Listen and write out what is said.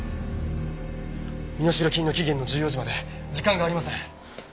身代金の期限の１４時まで時間がありません。